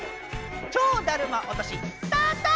「超だるま落とし！」スタート！